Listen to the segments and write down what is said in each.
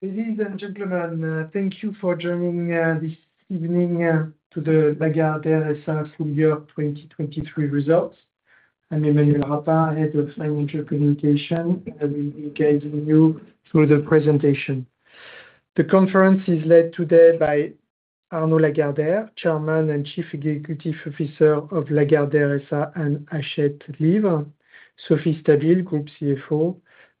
Ladies and gentlemen, thank you for joining this evening to the Lagardère SA full year 2023 results. I'm Emmanuel Rapin, Head of Financial Communication, and I will be guiding you through the presentation. The conference is led today by Arnaud Lagardère, Chairman and Chief Executive Officer of Lagardère SA and Hachette Livre. Sophie Stabile, Group CFO.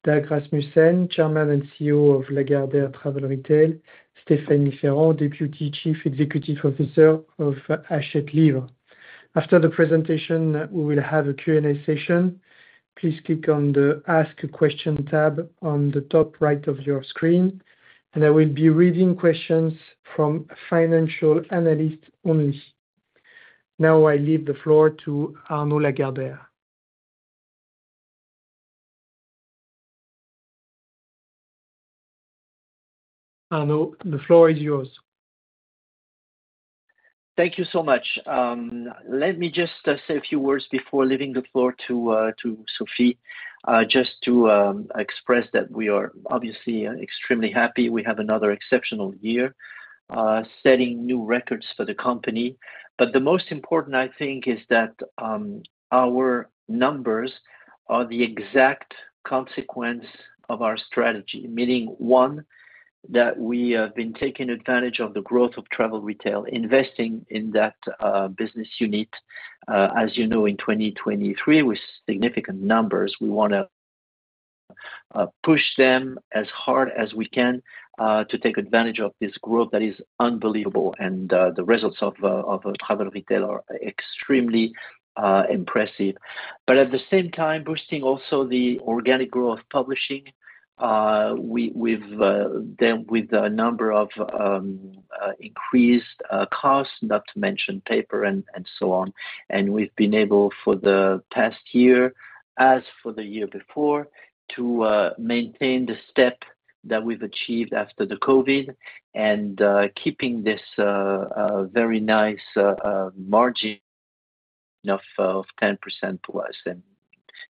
Dag Rasmussen, Chairman and CEO of Lagardère Travel Retail. Stéphane Ferran, Deputy Chief Executive Officer of Hachette Livre. After the presentation, we will have a Q&A session. Please click on the "Ask Questions" tab on the top right of your screen, and I will be reading questions from financial analysts only. Now I leave the floor to Arnaud Lagardère. Arnaud, the floor is yours. Thank you so much. Let me just say a few words before leaving the floor to Sophie, just to express that we are obviously extremely happy we have another exceptional year, setting new records for the company. But the most important, I think, is that our numbers are the exact consequence of our strategy, meaning one, that we have been taking advantage of the growth of Travel Retail, investing in that business unit, as you know, in 2023 with significant numbers. We want to push them as hard as we can, to take advantage of this growth that is unbelievable, and the results of Travel Retail are extremely impressive. But at the same time, boosting also the organic growth Publishing, we've done with a number of increased costs, not to mention paper and so on. And we've been able, for the past year, as for the year before, to maintain the step that we've achieved after the COVID and keeping this very nice margin of 10%+ and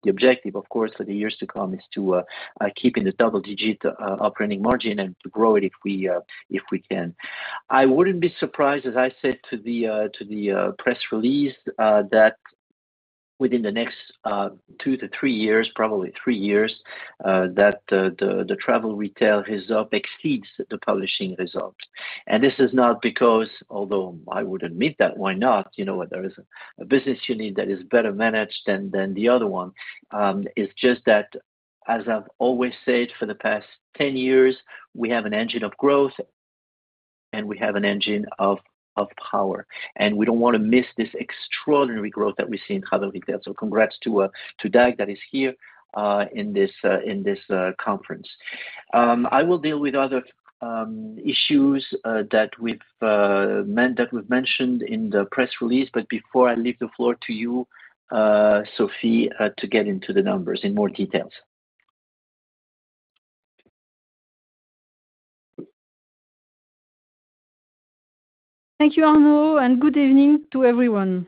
the objective, of course, for the years to come is to keeping the double-digit operating margin and to grow it if we if we can. I wouldn't be surprised, as I said to the press release, that within the next two to three years, probably three years, that the Travel Retail result exceeds the Publishing results. And this is not because, although I would admit that, why not, you know, there is a business unit that is better managed than the other one. It's just that, as I've always said for the past 10 years, we have an engine of growth, and we have an engine of power, and we don't want to miss this extraordinary growth that we see in Travel Retail. So, congrats to, to Dag that is here in this conference. I will deal with other issues that we've mentioned in the press release, but before I leave the floor to you, Sophie, to get into the numbers in more details. Thank you, Arnaud, and good evening to everyone.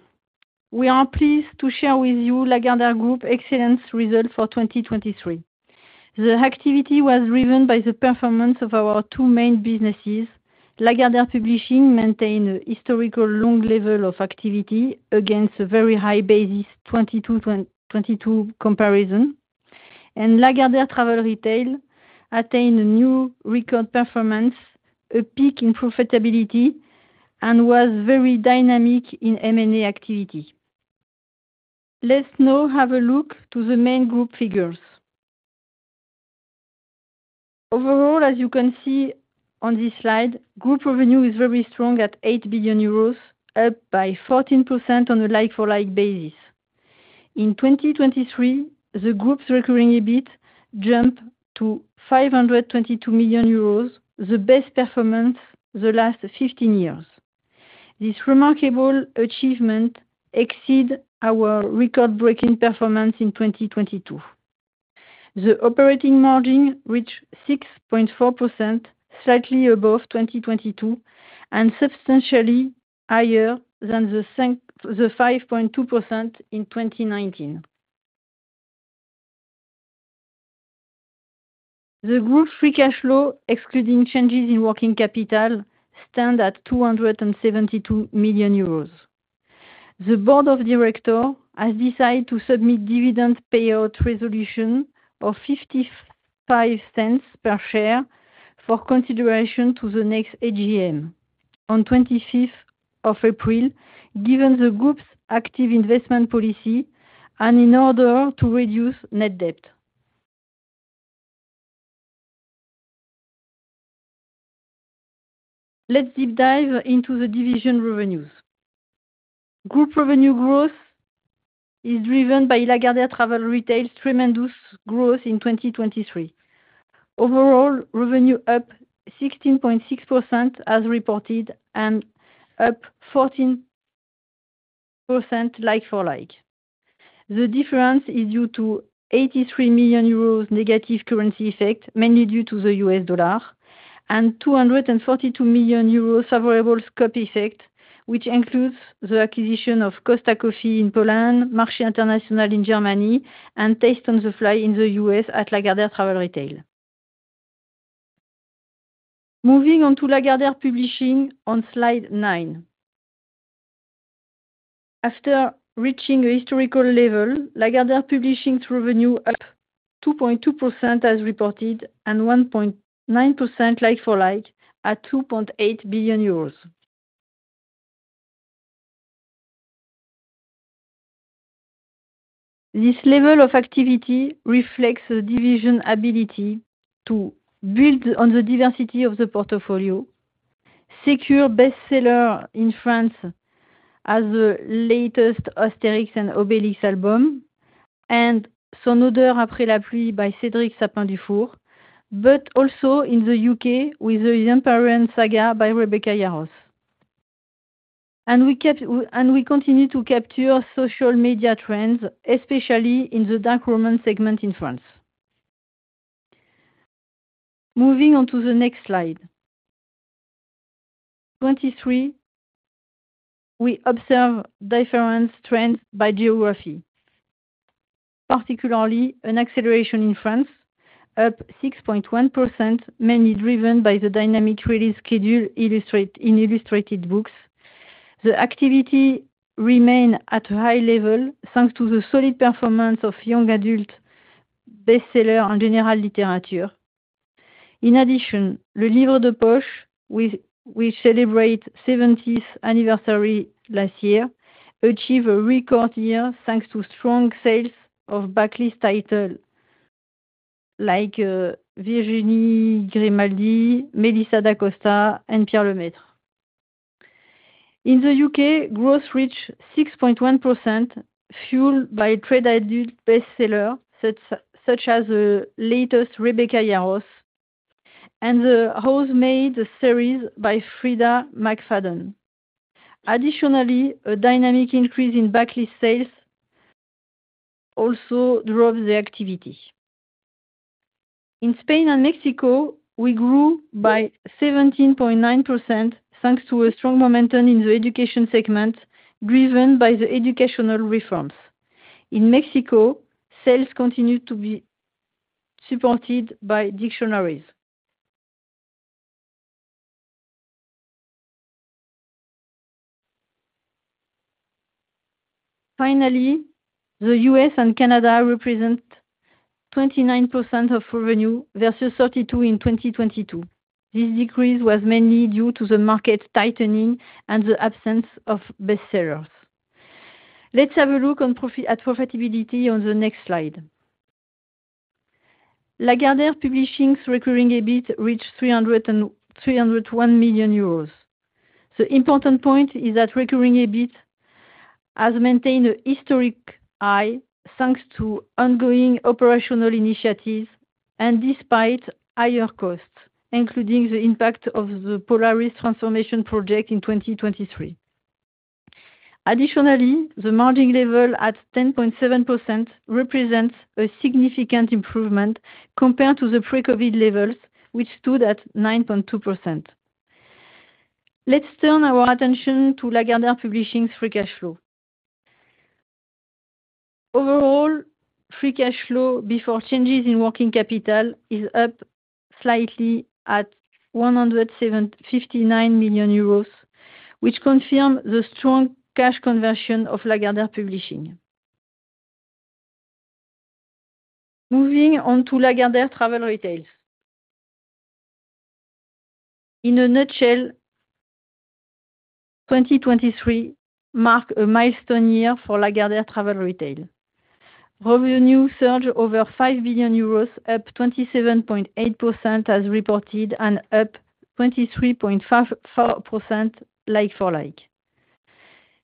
We are pleased to share with you Lagardère Group excellence results for 2023. The activity was driven by the performance of our two main businesses: Lagardère Publishing maintained a historical long level of activity against a very high basis 2022 comparison, and Lagardère Travel Retail attained a new record performance, a peak in profitability, and was very dynamic in M&A activity. Let's now have a look to the main group figures. Overall, as you can see on this slide, group revenue is very strong at 8 billion euros, up by 14% on a like-for-like basis. In 2023, the group's recurring EBIT jumped to 522 million euros, the best performance the last 15 years. This remarkable achievement exceeds our record-breaking performance in 2022. The operating margin reached 6.4%, slightly above 2022, and substantially higher than the 5.2% in 2019. The group free cash flow, excluding changes in working capital, stands at 272 million euros. The board of directors has decided to submit dividend payout resolution of 0.55 per share for consideration to the next AGM on 25th of April, given the group's active investment policy and in order to reduce net debt. Let's deep dive into the division revenues. Group revenue growth is driven by Lagardère Travel Retail's tremendous growth in 2023. Overall revenue up 16.6% as reported and up 14% like-for-like. The difference is due to 83 million euros negative currency effect, mainly due to the US dollar, and 242 million euros favorable scope effect, which includes the acquisition of Costa Coffee in Poland, Marché International in Germany, and Tastes on the Fly in the U.S. at Lagardère Travel Retail. Moving on to Lagardère Publishing on slide nine. After reaching a historical level, Lagardère Publishing's revenue up 2.2% as reported and 1.9% like-for-like at 2.8 billion euros. This level of activity reflects the division's ability to build on the diversity of the portfolio, secure bestseller in France as the latest Astérix and Obélix album, and Son odeur après la pluie by Cédric Sapin-Defour, but also in the U.K. with The Empyrean saga by Rebecca Yarros. We kept and we continue to capture social media trends, especially in the dark romance segment in France. Moving on to the next slide. 2023, we observe different trends by geography, particularly an acceleration in France, up 6.1%, mainly driven by the dynamic release schedule in illustrated books. The activity remains at a high level thanks to the solid performance of young adult bestseller and general literature. In addition, Le Livre de Poche, which celebrated its 70th anniversary last year, achieved a record year thanks to strong sales of backlist titles like Virginie Grimaldi, Mélissa Da Costa, and Pierre Lemaitre. In the U.K., growth reached 6.1%, fueled by trade-adult bestsellers such as the latest Rebecca Yarros and the Housemaid series by Freida McFadden. Additionally, a dynamic increase in backlist sales also drove the activity. In Spain and Mexico, we grew by 17.9% thanks to a strong momentum in the education segment driven by the educational reforms. In Mexico, sales continued to be supported by dictionaries. Finally, the U.S. and Canada represent 29% of revenue versus 32% in 2022. This decrease was mainly due to the market tightening and the absence of bestsellers. Let's have a look at profitability on the next slide. Lagardère Publishing's recurring EBIT reached 301 million euros. The important point is that recurring EBIT has maintained a historic high thanks to ongoing operational initiatives and despite higher costs, including the impact of the Polaris transformation project in 2023. Additionally, the margin level at 10.7% represents a significant improvement compared to the pre-COVID levels, which stood at 9.2%. Let's turn our attention to Lagardère Publishing's free cash flow. Overall free cash flow before changes in working capital is up slightly at 159 million euros, which confirms the strong cash conversion of Lagardère Publishing. Moving on to Lagardère Travel Retail. In a nutshell, 2023 marked a milestone year for Lagardère Travel Retail. Revenue surged over 5 billion euros, up 27.8% as reported and up 23.54% like-for-like.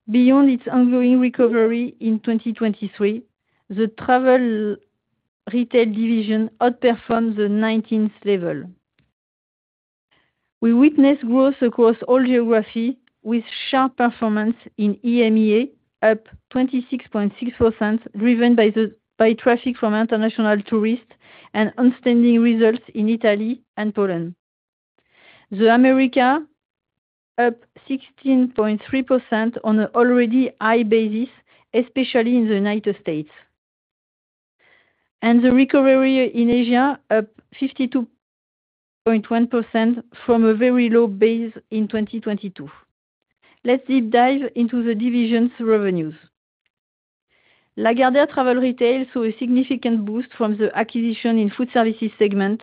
Beyond its ongoing recovery in 2023, the Travel Retail division outperformed the 2019 level. We witnessed growth across all geography with sharp performance in EMEA, up 26.6% driven by traffic from international tourists and outstanding results in Italy and Poland. The Americas, up 16.3% on an already high basis, especially in the United States. The recovery in Asia, up 52.1% from a very low base in 2022. Let's deep dive into the division's revenues. Lagardère Travel Retail saw a significant boost from the acquisition in food services segment,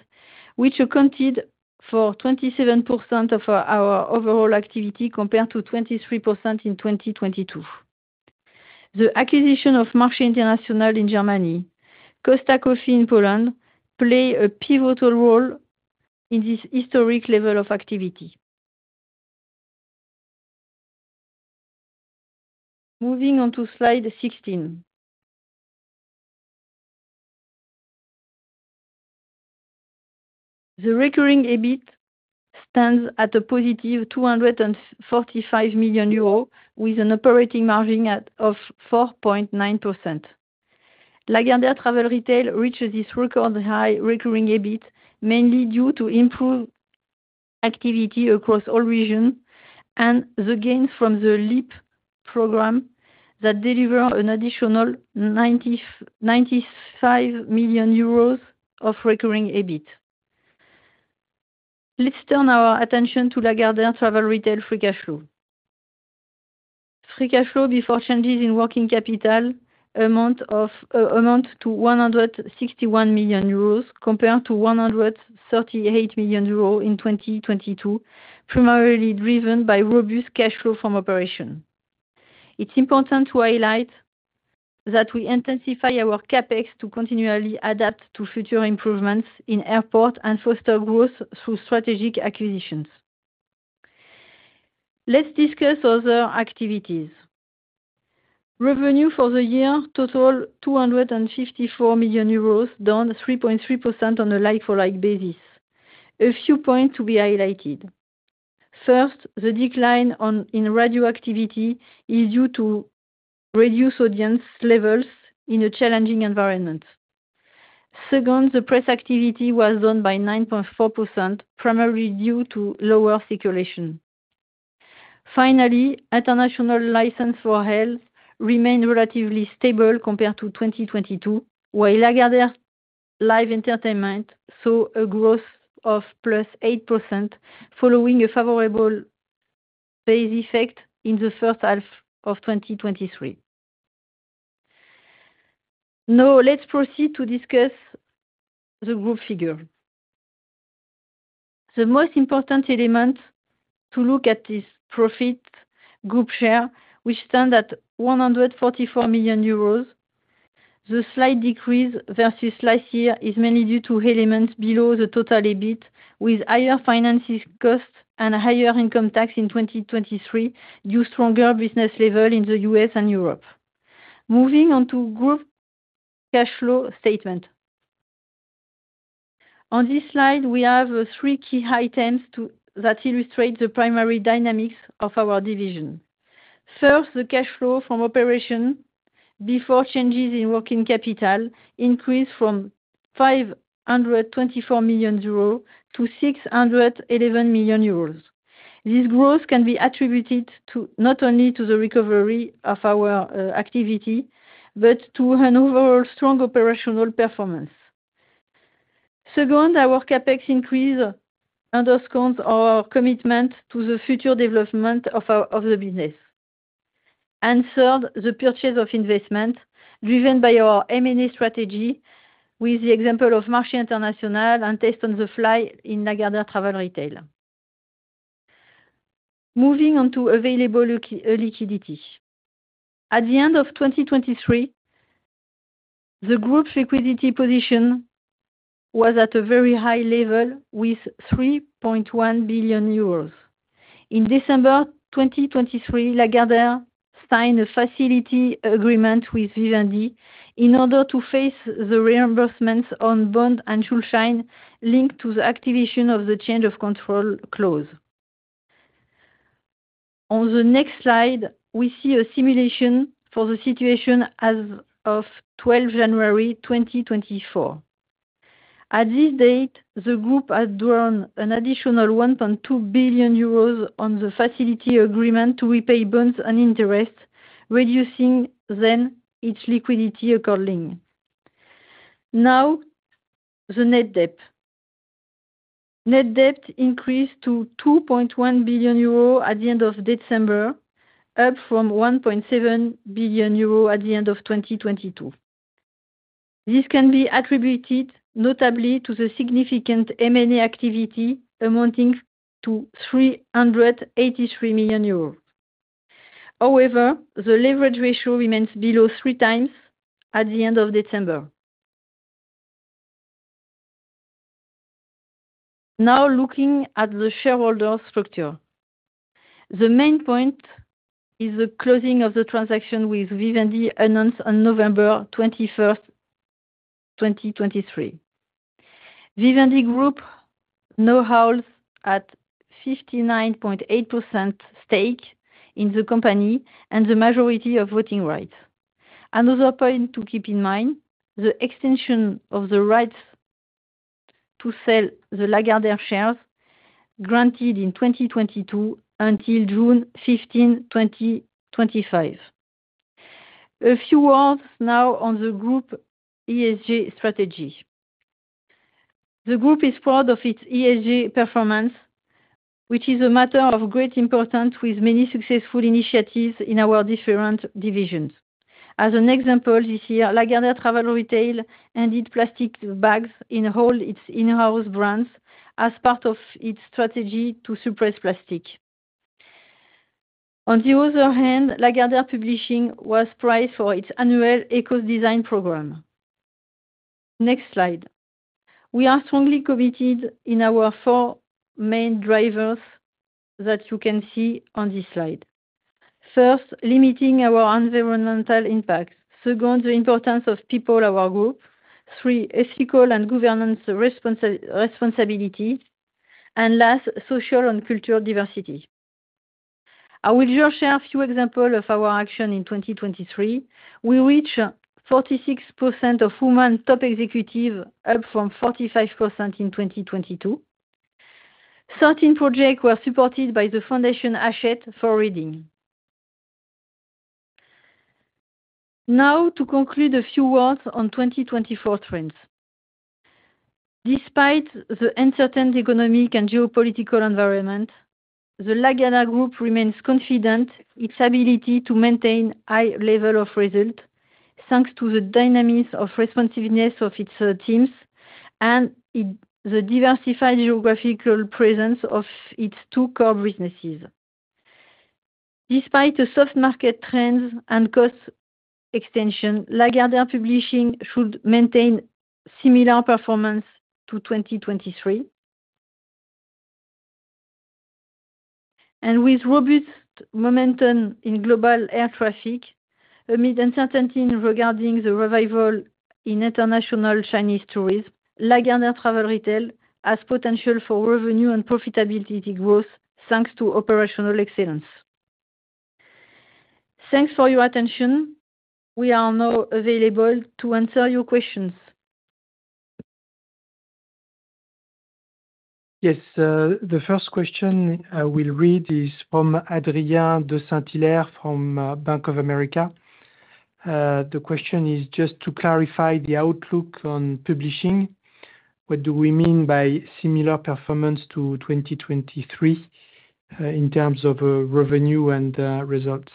which accounted for 27% of our overall activity compared to 23% in 2022. The acquisition of Marché International in Germany and Costa Coffee in Poland played a pivotal role in this historic level of activity. Moving on to slide 16. The recurring EBIT stands at a positive 245 million euros with an operating margin of 4.9%. Lagardère Travel Retail reached this record high recurring EBIT mainly due to improved activity across all regions and the gains from the LEAP program that delivered an additional 95 million euros of recurring EBIT. Let's turn our attention to Lagardère Travel Retail free cash flow. Free cash flow before changes in working capital amount to 161 million euros compared to 138 million euros in 2022, primarily driven by robust cash flow from operation. It's important to highlight that we intensify our capex to continually adapt to future improvements in airports and foster growth through strategic acquisitions. Let's discuss other activities. Revenue for the year totaled 254 million euros, down 3.3% on a like-for-like basis. A few points to be highlighted. First, the decline in radio activity is due to reduced audience levels in a challenging environment. Second, the press activity was down by 9.4%, primarily due to lower circulation. Finally, international license for health remained relatively stable compared to 2022, while Lagardère Live Entertainment saw a growth of 8%+ following a favorable base effect in the first half of 2023. Now, let's proceed to discuss the group figure. The most important element to look at is profit group share, which stands at 144 million euros. The slight decrease versus last year is mainly due to elements below the total EBIT, with higher finance costs and higher income tax in 2023 due to stronger business level in the U.S. and Europe. Moving on to group cash flow statement. On this slide, we have three key items that illustrate the primary dynamics of our division. First, the cash flow from operation before changes in working capital increased from 524 million euros to 611 million euros. This growth can be attributed not only to the recovery of our activity but to an overall strong operational performance. Second, our CapEx increase underscores our commitment to the future development of the business. And third, the purchase of investment driven by our M&A strategy with the example of Marché International and Tastes on the Fly in Lagardère Travel Retail. Moving on to available liquidity. At the end of 2023, the Group's liquidity position was at a very high level with 3.1 billion euros. In December 2023, Lagardère signed a facility agreement with Vivendi in order to face the reimbursements on bond and Schuldschein linked to the activation of the change of control clause. On the next slide, we see a simulation for the situation as of 12 January 2024. At this date, the group has drawn an additional 1.2 billion euros on the facility agreement to repay bonds and interest, reducing then its liquidity accordingly. Now, the net debt. Net debt increased to 2.1 billion euro at the end of December, up from 1.7 billion euro at the end of 2022. This can be attributed notably to the significant M&A activity amounting to 383 million euros. However, the leverage ratio remains below 3x at the end of December. Now, looking at the shareholder structure. The main point is the closing of the transaction with Vivendi announced on November 21st, 2023. Vivendi Group now holds a 59.8% stake in the company and the majority of voting rights. Another point to keep in mind, the extension of the rights to sell the Lagardère shares granted in 2022 until June 15, 2025. A few words now on the group ESG strategy. The group is proud of its ESG performance, which is a matter of great importance with many successful initiatives in our different divisions. As an example, this year, Lagardère Travel Retail ended plastic bags in all its in-house brands as part of its strategy to suppress plastic. On the other hand, Lagardère Publishing was prized for its annual eco-design program. Next slide. We are strongly committed in our four main drivers that you can see on this slide. First, limiting our environmental impact. Second, the importance of people, our group. Three, ethical and governance responsibility. And last, social and cultural diversity. I will just share a few examples of our action in 2023. We reached 46% of women top executives, up from 45% in 2022. 13 projects were supported by the Foundation Hachette for Reading. Now, to conclude a few words on 2024 trends. Despite the uncertain economic and geopolitical environment, the Lagardère Group remains confident in its ability to maintain a high level of results thanks to the dynamics of responsiveness of its teams and the diversified geographical presence of its two core businesses. Despite the soft market trends and cost extension, Lagardère Publishing should maintain similar performance to 2023. With robust momentum in global air traffic, amid uncertainty regarding the revival in international Chinese tourism, Lagardère Travel Retail has potential for revenue and profitability growth thanks to operational excellence. Thanks for your attention. We are now available to answer your questions. Yes. The first question I will read is from Adrien de Saint-Hilaire from Bank of America. The question is just to clarify the outlook on Publishing. "What do we mean by similar performance to 2023 in terms of revenue and results?"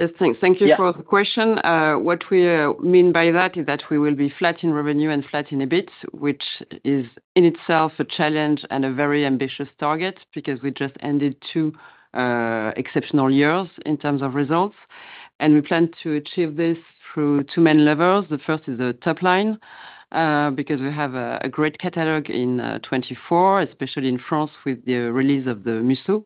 Yes, thanks. Thank you for the question. What we mean by that is that we will be flat in revenue and flat in EBIT, which is in itself a challenge and a very ambitious target because we just ended two exceptional years in terms of results. We plan to achieve this through two main levers. The first is the top line because we have a great catalogue in 2024, especially in France with the release of the Musso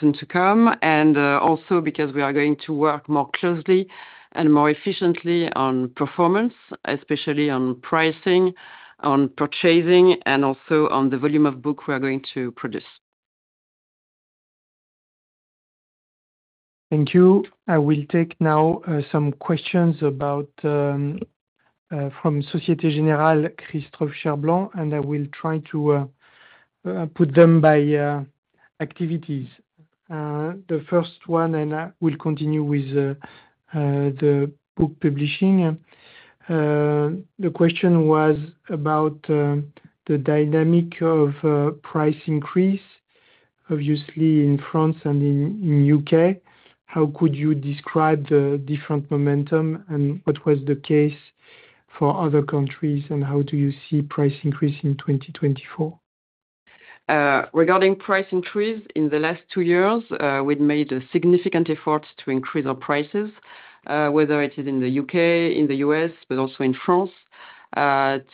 soon to come. And also, because we are going to work more closely and more efficiently on performance, especially on pricing, on purchasing, and also on the volume of book we are going to produce. Thank you. I will take now some questions from Société Générale, Christophe Cherblanc, and I will try to put them by activities. The first one, and I will continue with the book Publishing. The question was about the dynamic of price increase, obviously in France and in the U.K., "How could you describe the different momentum and what was the case for other countries, and how do you see price increase in 2024?" Regarding price increase, in the last two years, we've made significant efforts to increase our prices, whether it is in the U.K., in the U.S., but also in France.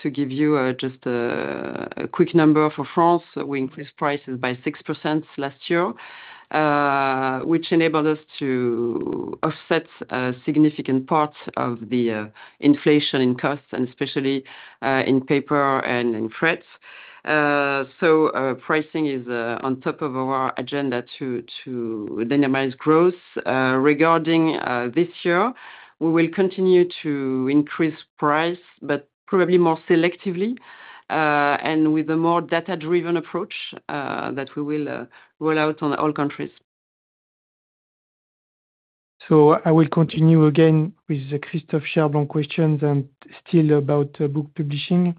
To give you just a quick number for France, we increased prices by 6% last year, which enabled us to offset a significant part of the inflation in costs, and especially in paper and in freight. So pricing is on top of our agenda to dynamize growth. Regarding this year, we will continue to increase price, but probably more selectively and with a more data-driven approach that we will roll out on all countries. So I will continue again with Christophe Cherblanc questions and still about book Publishing.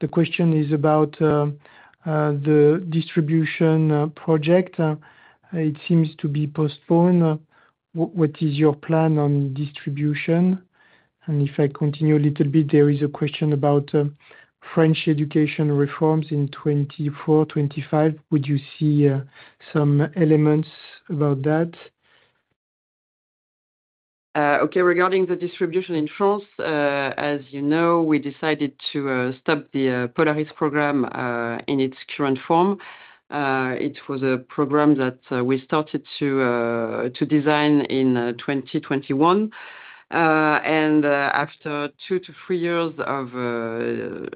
The question is about the distribution project. It seems to be postponed. "What is your plan on distribution?" And if I continue a little bit, there is a question about French education reforms in 2024, 2025. "Would you see some elements about that?" Okay. Regarding the distribution in France, as you know, we decided to stop the Polaris program in its current form. It was a program that we started to design in 2021. After two to three years of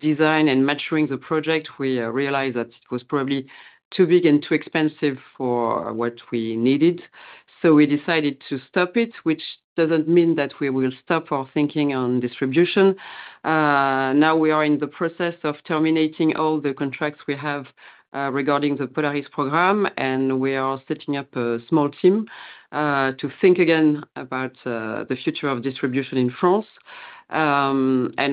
design and maturing the project, we realized that it was probably too big and too expensive for what we needed. So we decided to stop it, which doesn't mean that we will stop our thinking on distribution. Now we are in the process of terminating all the contracts we have regarding the Polaris program, and we are setting up a small team to think again about the future of distribution in France.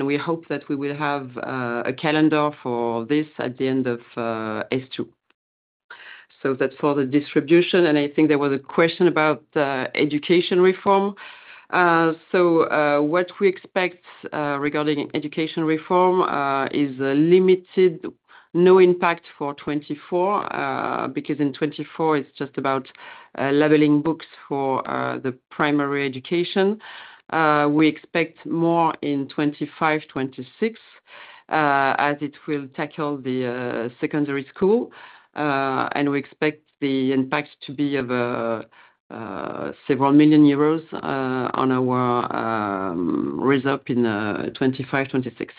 We hope that we will have a calendar for this at the end of S2. So that's for the distribution. I think there was a question about education reform. So, what we expect regarding education reform is limited? no impact for 2024 because in 2024, it's just about labeling books for the primary education. We expect more in 2025, 2026 as it will tackle the secondary school. We expect the impact to be of several million EUR on our result in 2025, 2026.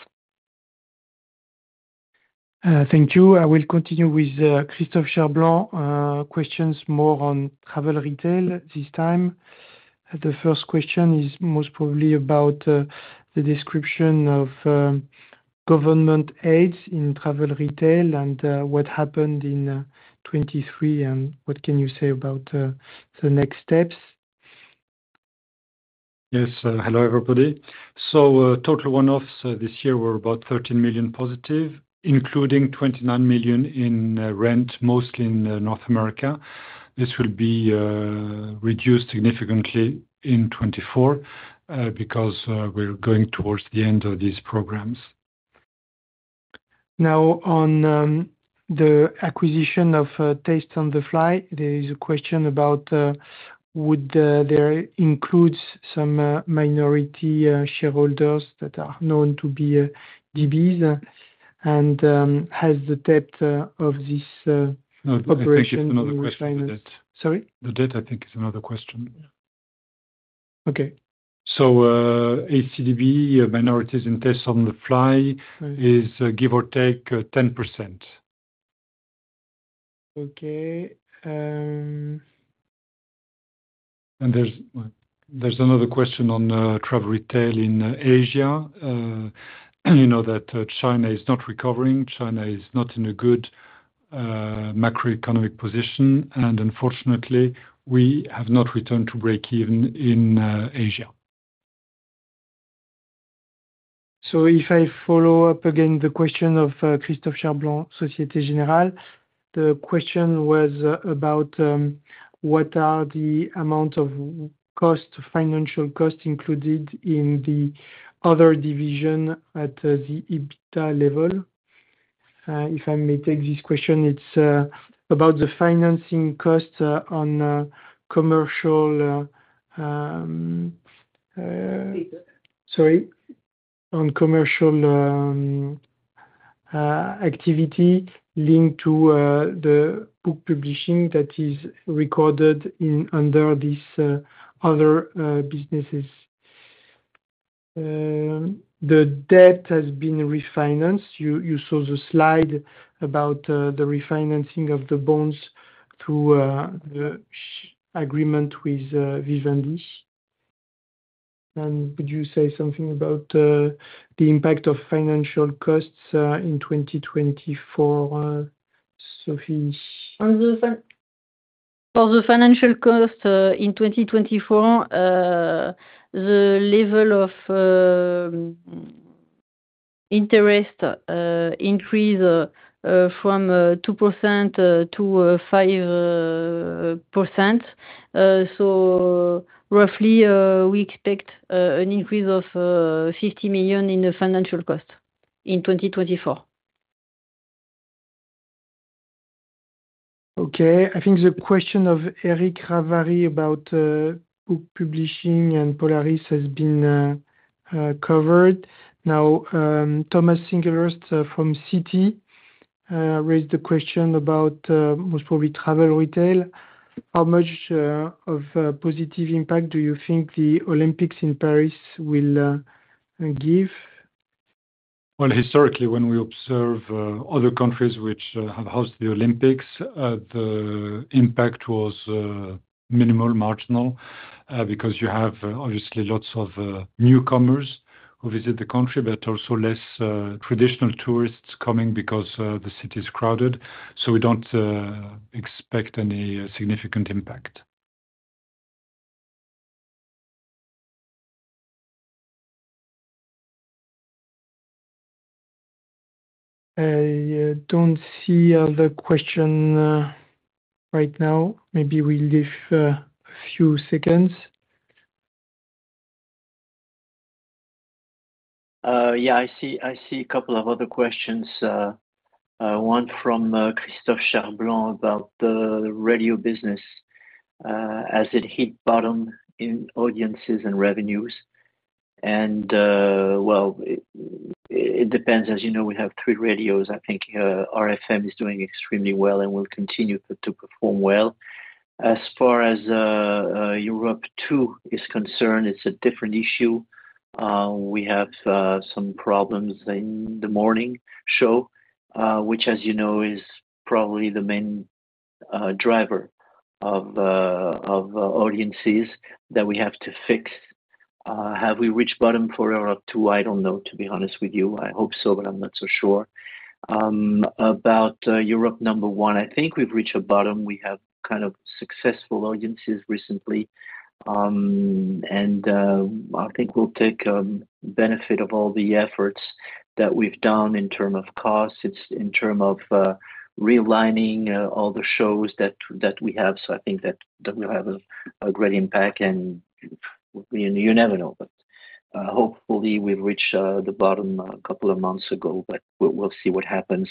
Thank you. I will continue with Christophe Cherblanc questions more on Travel Retail this time. The first question is most probably about the description of government aids in Travel Retail and, "What happened in 2023, and what can you say about the next steps?" Yes. Hello, everybody. So total one-offs this year, we're about 13 million positive, including 29 million in rent, mostly in North America. This will be reduced significantly in 2024 because we're going towards the end of these programs. Now, on the acquisition of Tastes on the Fly, there is a question about "Would there include some minority shareholders that are known to be DBs and has the debt of this operation been financed?" No, the debt, I think, is another question. Sorry? The debt, I think, is another question. Okay. So ACDB, minorities in Tastes on the Fly, is give or take 10%. Okay. There's another question on Travel Retail in Asia. You know that China is not recovering. China is not in a good macroeconomic position and unfortunately, we have not returned to break even in Asia. So if I follow up again the question of Christophe Cherblanc, Société Générale, the question was about "What are the amount of financial costs included in the other division at the EBITDA level?" If I may take this question, it's about the financing costs on commercial... Sorry. On commercial activity linked to the book Publishing that is recorded under these other businesses. "The debt has been refinanced. You saw the slide about the refinancing of the bonds through the agreement with Vivendi and would you say something about the impact of financial costs in 2024, Sophie?" For the financial costs in 2024, the level of interest increased from 2%-5%. So roughly, we expect an increase of 50 million in the financial costs in 2024. Okay. I think the question of Eric Ravary about book Publishing and Polaris has been covered. Now, Thomas Singlehurst from Citi raised the question about most probably Travel Retail. "How much of a positive impact do you think the Olympics in Paris will give?" Well, historically, when we observe other countries which have hosted the Olympics, the impact was minimal, marginal, because you have, obviously, lots of newcomers who visit the country, but also less traditional tourists coming because the city is crowded. So we don't expect any significant impact. I don't see other questions right now. Maybe we'll leave a few seconds. Yeah, I see a couple of other questions. One from Christophe Cherblanc, "About the radio business. Has it hit bottom in audiences and revenues?" Well, it depends. As you know, we have three radios. I think RFM is doing extremely well and will continue to perform well. As far as Europe 2 is concerned, it's a different issue. We have some problems in the morning show, which, as you know, is probably the main driver of audiences that we have to fix. Have we reached bottom for Europe 2? I don't know, to be honest with you. I hope so, but I'm not so sure. About Europe 1, I think we've reached a bottom. We have kind of successful audiences recently. I think we'll take benefit of all the efforts that we've done in terms of costs, in terms of realigning all the shows that we have. So, I think that we'll have a great impact, and you never know. But hopefully, we've reached the bottom a couple of months ago, but we'll see what happens.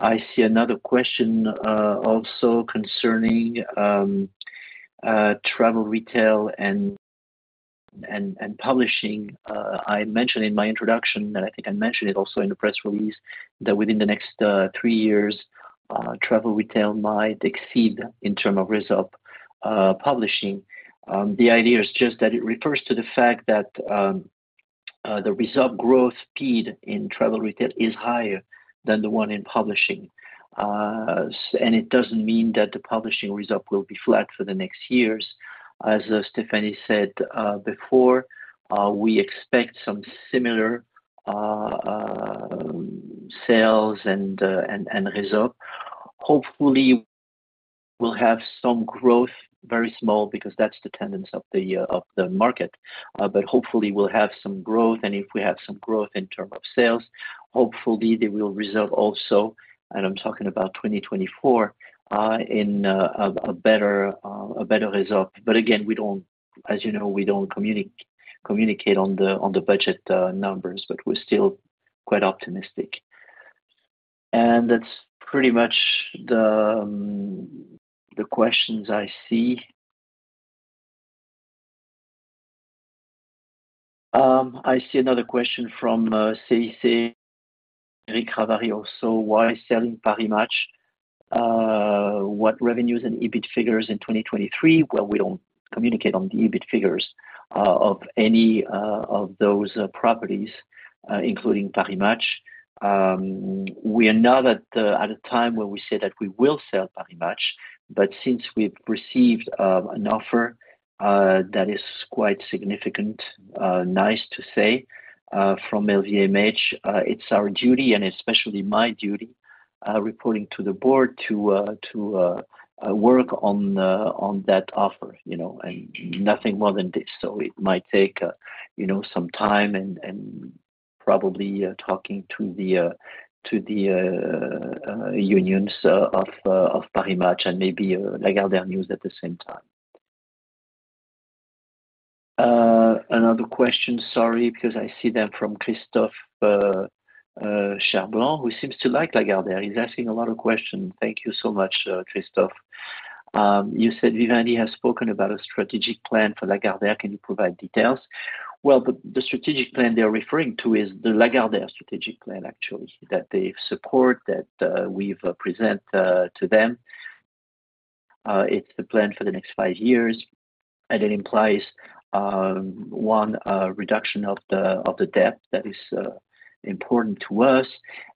I see another question also concerning Travel Retail and Publishing. I mentioned in my introduction that I think I mentioned it also in the press release that within the next three years, Travel Retail might exceed in terms of result Publishing. The idea is just that it refers to the fact that the result growth speed in Travel Retail is higher than the one in Publishing and it doesn't mean that the Publishing result will be flat for the next years. As Stéphane said before, we expect some similar sales and result. Hopefully, we'll have some growth, very small, because that's the tendency of the market. But hopefully, we'll have some growth. And if we have some growth in terms of sales, hopefully, they will result also, and I'm talking about 2024, in a better result. But again, as you know, we don't communicate on the budget numbers, but we're still quite optimistic. And that's pretty much the questions I see. I see another question from CIC, Eric Ravary also. "Why selling Paris Match? What revenues and EBIT figures in 2023?" Well, we don't communicate on the EBIT figures of any of those properties, including Paris Match. We are not at a time where we say that we will sell Paris Match. But since we've received an offer that is quite significant, nice to say, from LVMH, it's our duty, and especially my duty, reporting to the board to work on that offer and nothing more than this. So it might take some time and probably talking to the unions of Paris Match and maybe Lagardère News at the same time. Another question, sorry, because I see them from Christophe Cherblanc, who seems to like Lagardère. He's asking a lot of questions. Thank you so much, Christophe. "You said Vivendi has spoken about a strategic plan for Lagardère. Can you provide details?" Well, the strategic plan they're referring to is the Lagardère strategic plan, actually, that they support, that we've presented to them. It's the plan for the next five years. And it implies, one, reduction of the debt that is important to us.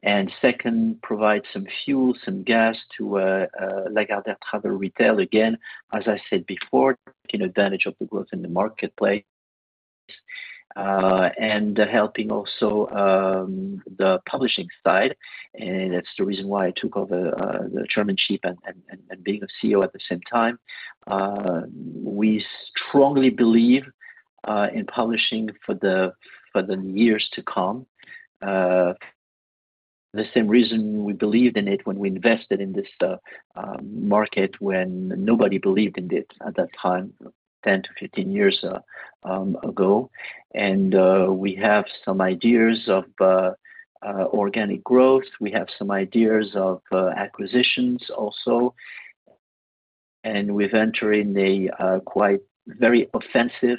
And second, provide some fuel, some gas to Lagardère Travel Retail, again, as I said before, taking advantage of the growth in the marketplace and helping also the Publishing side. That's the reason why I took over the chairmanship and being a CEO at the same time. We strongly believe in Publishing for the years to come. The same reason we believed in it when we invested in this market when nobody believed in it at that time, 10-15 years ago. We have some ideas of organic growth. We have some ideas of acquisitions also. We've entered in a quite very offensive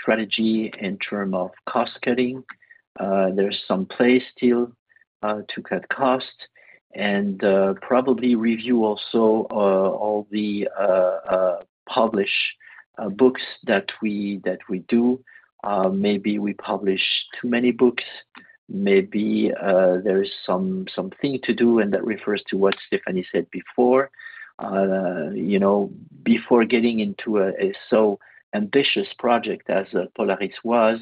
strategy in terms of cost cutting. There's some play still to cut costs and probably review also all the published books that we do. Maybe we publish too many books. Maybe there is something to do, and that refers to what Stéphane said before. Before getting into a so ambitious project as Polaris was,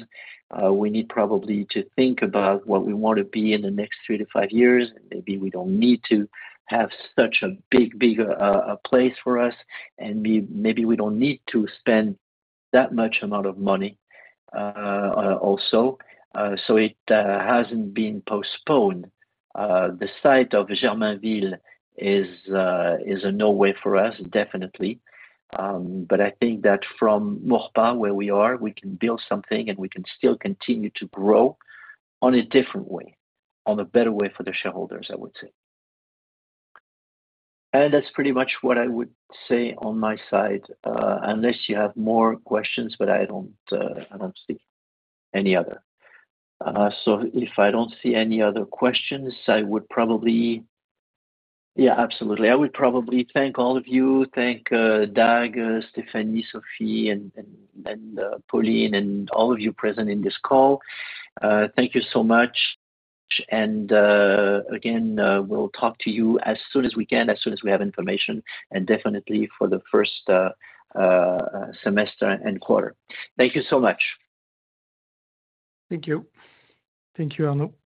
we need probably to think about what we want to be in the next three to five years. Maybe we don't need to have such a big, big place for us. And maybe we don't need to spend that much amount of money also. So it hasn't been postponed. The site of Janville is a no way for us, definitely. But I think that from Maurepas, where we are, we can build something, and we can still continue to grow in a different way, on a better way for the shareholders, I would say. And that's pretty much what I would say on my side, unless you have more questions, but I don't see any other. So if I don't see any other questions, I would probably yeah, absolutely. I would probably thank all of you, thank Dag, Stéphane, Sophie, and Pauline, and all of you present in this call. Thank you so much. And again, we'll talk to you as soon as we can, as soon as we have information, and definitely for the first semester and quarter. Thank you so much. Thank you. Thank you, Arnaud.